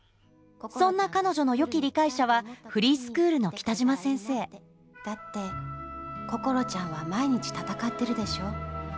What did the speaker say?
そんな彼女のよき理解者はフリースクールのだってこころちゃんは毎日闘ってるでしょ？